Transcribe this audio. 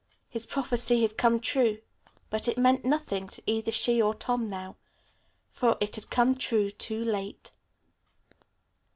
His prophecy had come true, but it meant nothing to either she or Tom now, for it had come true too late.